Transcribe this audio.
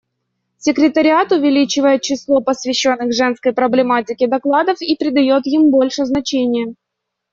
Секретариат увеличивает число посвященных женской проблематике докладов и придает им больше значения.